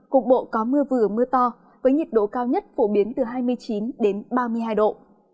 cục bộ có mưa vừa mưa to với nhiệt độ cao nhất phổ biến từ hai mươi chín đến ba mươi hai độ